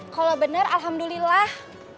kalau benar alhamdulillah